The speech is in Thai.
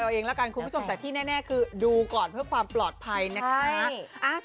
เอาเองแล้วกันคุณผู้ชมแต่ที่แน่คือดูก่อนเพื่อความปลอดภัยนะคะ